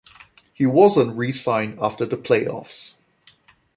He wasn't re-signed after the playoffs.